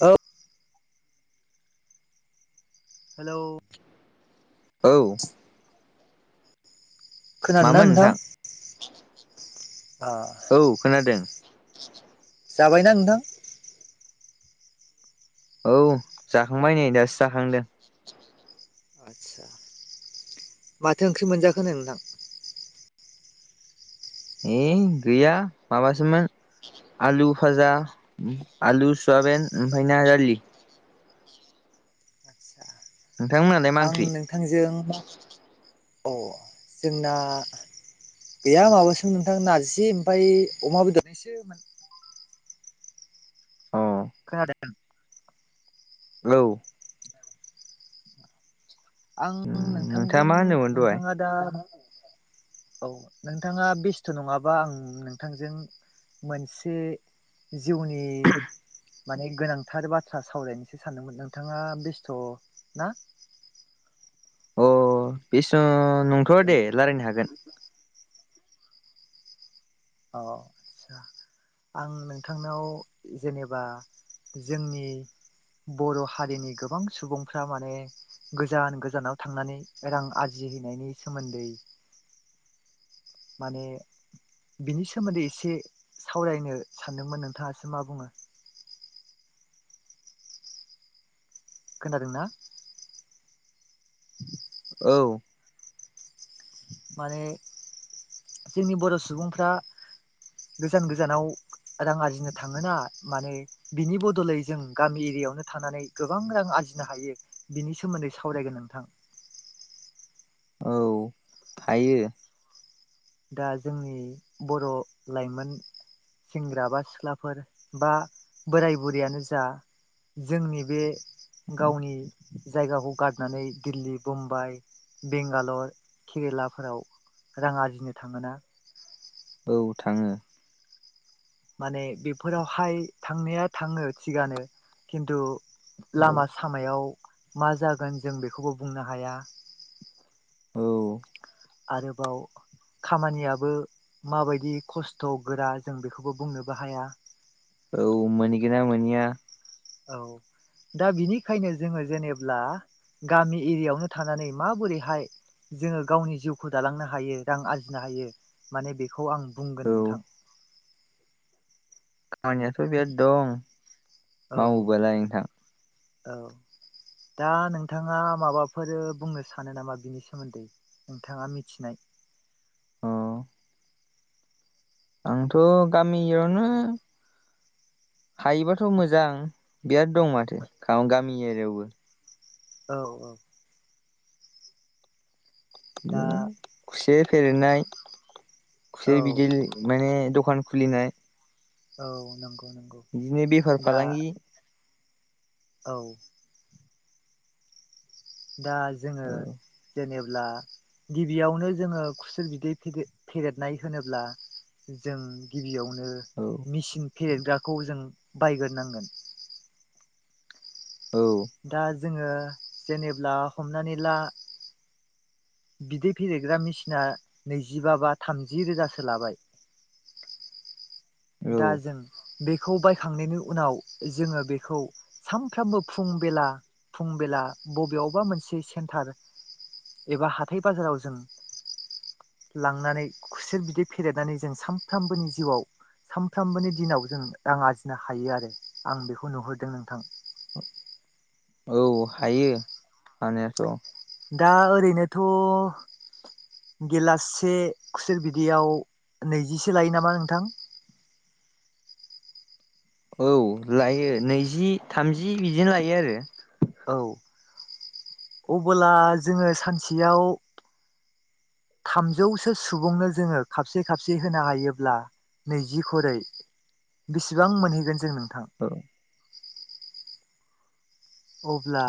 औ हेलौ औ खोनादोंना नोंथां ओ औ खोनादों जाबायना नोंथां औ जाखांबाय नै दासो जाखांदों आदसा माथो ओंख्रि मोनजाखोनो नोंथां ए गैया माबासोमोन आलु फाजा आलु सयाबेन एमफाय ना‌ दालि आदसा नोंथांमोनालाय मा आं ओंख्रि नोंथांजों अ जोंना गैया माबासोमोन नोंथां नार्जि ओमफ्राय अमाबो दनोसो अ खोनादों औ आं नोंथाङा नोंथांजों मा होनदोंमोन दहाय नोंथाङा दा औ नोंथाङा बेस्थ' नङाबा आं नोंथांजों मोनसे जिउनि माने गोनांथार बाथ्रा सावरायनोसो सानदोंमोन नोंथाङा बेस्थ' ना [inaudible] बेसु नंथ'व दे रायजलायनो हागोन अ आसा आं नोंथांनाव जेनेबा जोंनि बर' हारिनि गोबां सुबुंफ्रा माने गोजान गोजानाव थांनानै रां आरजिहैनायनि सोमोन्दै माने बिनि सोमोन्दै एसे सावरायनो सानदोंमोन नोंथाङासो मा बुङो? खोनादों ना? औ माने जोंनि बर' सुबुंफ्रा गोजान गोजानाव रां आरजिनो थाङोना माने बिनि बदलै जों गामि एरियावनो थानानै गोबां रां आर जिनो हायो बिनि सोमोन्दै सावरायगोन नोंथां। थायो। दा जोंनि बर' लाइमोन सेंग्रा बा सिख्लाफोर बा बोराय बुरैयानो जा जोंनि बे गावनि जायगाखौ गारनानै दिल्ली बम्बाइ बेंगालर केरेलाफोराव रां आरजिनो थाङोना। औ थाङो। माने बेफोरावहाय थांनाया थाङो थिगानो खिन्थु औ लामा सामायाव मा जागोन जों बेखौबो बुंनो हाया। [inaudible] औ आरोबाव खामानियाबो माबायदि खस्थ' गोरा जों बेखौबो बुंनो बो हाया। औ मोनैगोना मोनैया औ दा बिनिखायनो जोङो जेनेब्ला गामि एरियायावनो थानानै माबोरैहाय जोङो गावनि जिउखौ दालांनो हायो रां आरजिनो हायो माने बेखौ आं बुंगोन औ नोंथां। खामानियाथ' बिराद दं औ मावोबालाय नोंथां। औ दा नोंथाङा माबाफोर बुंनो सानो नामा बिनि सोमोन्दै नोंथाङा मिथिनाय। [inaudible] अ आंथ' गामियावनो हायोबाथ' मोजां बिराद दं माथो खा गामि एरियावबो। औ औ। दा बिदिनो खुसेर फेरेननाय औ खुसेर बिदै माने दखान खुलिनाय औ नंगौ। नंगौ बिदिनो बेफार दा फालांगि औ दा जोङो औ जेने बा गिबियावनो जोङो खुसेर बिदै फिदे फेदेरनाय होनोब्ला जों गिबियाव नो औ मिचिन फेरेथग्राखौ जों बायग्रोनांगोन। औ दा जोङो जेनेब्ला हमनानै ला बिदै फेरेदग्रा मिचिनआ नैजिबा बा थामजि रोजासो लाबाय। [inaudible] औ दा जों बेखौ बायखांनायनि उनाव जोङो बेखौ सानफ्रामबो फुं बेला फुं बेला बबेयावबा मोनसे सेन्टार एबा हाथाइ बाजाराव जों लांनानै खुसेर बिदै फेरेदनानै जों सानफ्रोमबोनि जिउआव सानफ्रामबोनि दिनाव जों रां आरजिनो हायो आरो आं बेखौ नुहुरदों नोंथां। [inaudible] औ हायो हानायाथ'। दा ओरैनोथ' गिलासे खुसेर बिदैआव नैजिसो लायो नामा नोंथां? [inaudible] औ लायो नैजि थामजि बिदिनो लायो आरो। औ अबोला जोङो सानसेयाव थामजौसो सुबुंनो जोङो खाबसे खाबसे होनो हायोब्ला नैजि खरै बेसेबां मोनहैगोन जों नों [inaudible] अब्ला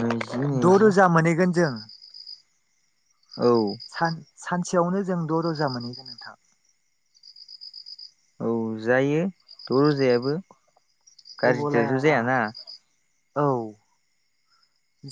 नैजि नैजि रोजा मोनैगोन जों। औ। सान सानसेयावनो जों द' रोजा मोनैगोन नोंथां। औ जायो द' रोजायाबो अबोला गाज्रिद्रायथ' जायाना। औ।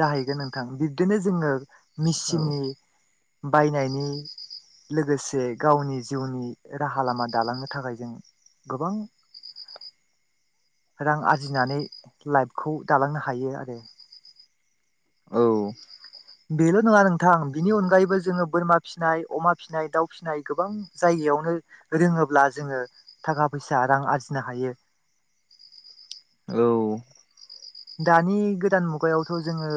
जाहैगोन नोंथां बिबदिनो जोङो औ मेचिननि बायनायनि लोगोसे गावनि जिउनि राहा लामा दालांनो थाखाय जों गोबां [inaudible] रां आरजिनानै लाइफखौ दालांनो हायो आरो। औ। बेल' नङा नोंथां बिनि अनगायैबो जोङो बोरमा फिसिनाय अमा फिसिनाय दाउ फिसिनाय गोबां जायो। बेयावनो रोङोब्ला जोङो थाखा फैसा रां आरजिनो हायो। औ। दानि गोदान मुगायावथ' जोङो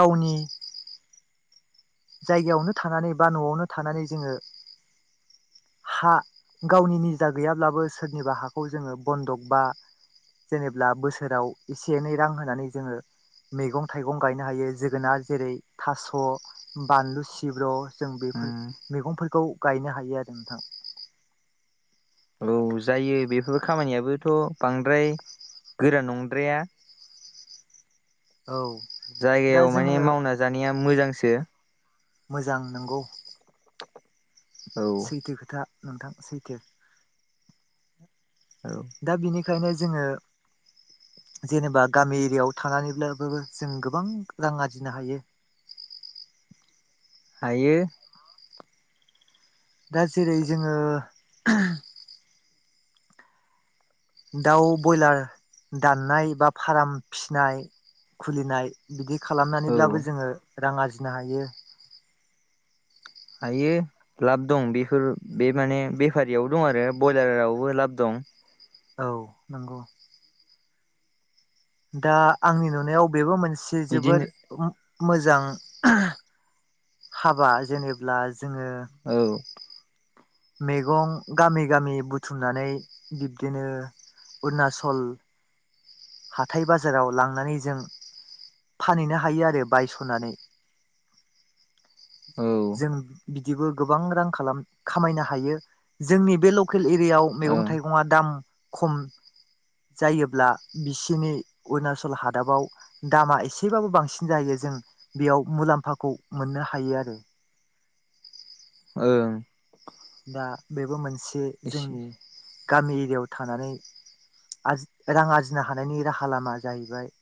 गावनि जायगायावनो थानानै बा न'आवनो थानानै जोङो हा गावनि निजा गैयाब्लाबो सोरनिबा हाखौ जोङो बन्दग बा जेनेब्ला बोसोराव एसे एनै रां होनानै जोङो मैगं थाइगं गायनो हायो जोगोनार जेरै थास' बानलु सिब्र' जों बेफोर उम मैगंफोरखौ गायनो हायो आरो नोंथां। औ जायो बेफोर खामानियाबोथ' बांद्राय गोरा नंद्राया। औ दा जायगायाव जोङो माने मावना जानाया मोजांसो। मोजां नंगौ औ [inaudible] सैथो खोथा। नोंथां सैथो। औ [inaudible] दा बेनि बेखायनो जोङो जेनेबा गामि एरियाव थानानैब्लाबोबो जों गोबां रां आरजिनो हायो। [inaudible] हायो। दा जेरै जोङो दाउ बयलार दाननाय बा फारम फिनाय खुलिनाय बिदि औ खालामनानैब्लाबो जोङो रां आरजिनो हायो हायो लाब दं बेफोर बे माने बेफारियाव दं आरो ब्रयलारावबो लाब दं [unintelligible] औ नंगौ। दा आंनि नुनायाव बेबो मोनसे जोबोर बिदिनो मोजां हाबा जेनेब्ला जोङो औ मैगं गामि गामि बुथुमनानै बिब्दिनो अरुणाचल हाथाय बाजाराव लांनानै जों फानहैनो हायो आरो बायस'नानै। औ जों बिदिबो गोबां रां खालाम खामायनो हायो जोंनि बे ल केल एरियाव मैगं ओं थाइगा दाम खम जायोब्ला बिसिनि अरुणाचल हादाबाव दामा एसेबाबो बांसिन जायो जों बेयाव मुलाम्फाखौ मोननो हायो आरो। ओं। दा बेबो मोनसे जोंनि एसे गामि एरियायाव थानानै रां आरजिनो हानायनि राहा लामा जाहैबाय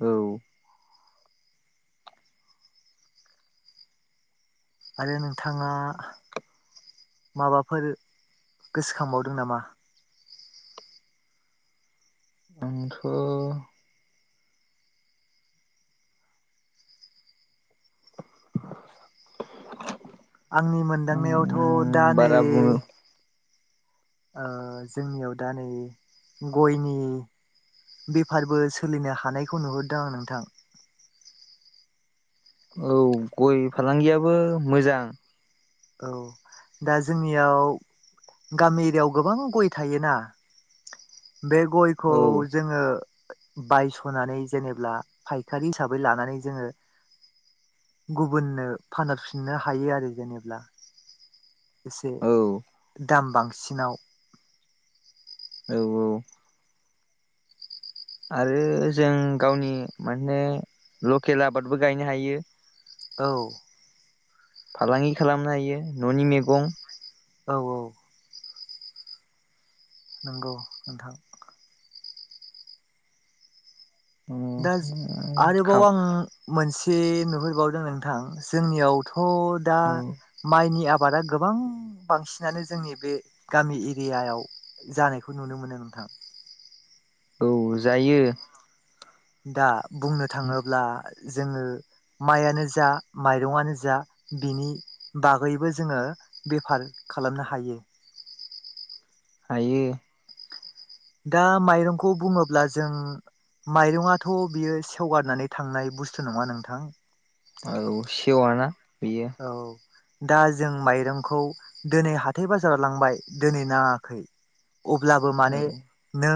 औ आरो नोंथाङा माबाफोर गोसोखांबावदों नामा आंथ' [unintelligible] आंनि आं मोनदांनायावथ' दा नै बारा बुङो ओ जोंनियाव दा नै गयनि बेफारबो सोलिनो हानायखौ नुहरदों आं नोंथां औ गय फालांगियाबो मोजां औ दा जोंनियाव गामि एरियआव गोबां गय थायोना बे गयखौ औ जोङो बायस'नानै जेनेब्ला फायखारि हिसाबै लानानै जोङो गुबुननो फानहरफिननो हायो आरो जेनेब्ला एसे औ दाम बांसिनाव औ औ आरो जों गावनि माने लकेल आबादबो गायनो हायो औ फालांगि खालामनो हायो न'नि मैगं औ औ नंगौ नोंथां दा आरोबाव खाम आं मोनसे नुहुरबावदों नोंथां जोंनियावथ' हो दा औ माइनि आबादा गोबां बांसिनानो जोंनि बे गामि एरियाायाव जानायखौ नुनो मोनो नोंथां औ जायो दा बुंनो थाङोब्ला जोङो माइयानो जा माइरंनो जा बिनि बागैबो जोङो बेफार खालामनो हायो हायो दा माइरंखौ बुङोब्ला जों माइरंआथ' बियो सेवगारनानै थांनाय बुस्थु नङा नोंथां। औ सेवा ना औ। दा जों माइरंखौ दोनै हाथाय बाजाराव लांबाय दोनै नाङाखै अब्लाबो औ माने नों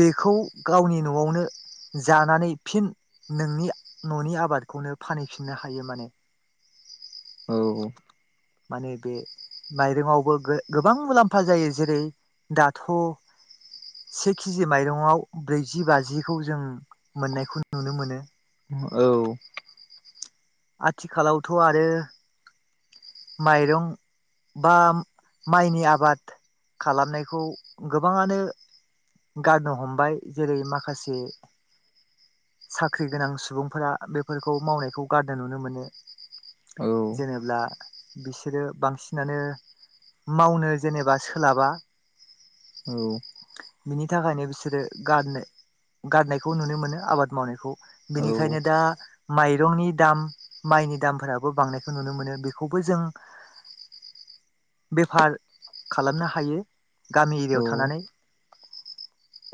बेखौ गावनि न'आवनो जानानै फिन नोंनि न'नि आबादखौनो फानहैफिननो हायो माने। औ औ। माने बे माइरंआवबो गे गोबां मुलाम्फा जायो। जेरै दाथ' से केजि माइरंआव ब्रैजि बाजिखौ जों मोननायखौ नुनो मोनो। औ। आथिखालावथ' आरो माइरं बा माइनि आबाद खालामनायखौ गोबाङानो गारनो हमबाय जेरै माखासे साख्रि गोनां सुबुंफोरा बेफोरखौ मावनायखौ गारनाय नुनो मोनो। औ औ जेनेब्ला बिसोरो बांसिनानो मावनो जेनेबा सोलाबा औ। बिनि थाखायनो बिसोरो गारनो गारनायखौ नुनो मोनो आबाद मावनायखौ औ बिनिखायनो दा माइरंनि दाम माइनि दामफोराबो बांनायखौ नुनो मोनो बे बेखौबो जों बेफार खालामनो हायो। गामि एरियाव औ थानानै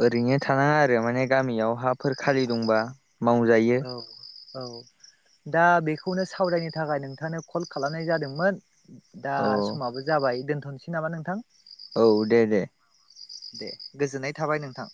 ओरैनो थानाङा आरो माने गामियाव हाफोर खालि दंबा मावजायो। औ औ दा बेखौनो सावरायनो थाखाय नोंथांनो कल खालामनाय जादोंमोन दा औ समाबो जाबाय दोनथ'नोसै नामा नोंथां। औ दे दे। दे गोजोननाय थाबाय नोंथां।